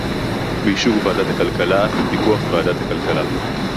באישור ועדת הכלכלה, בפיקוח ועדת הכלכלה